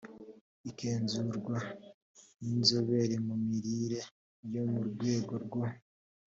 agenzurwa n inzobere mu mirire yo mu rwego rwo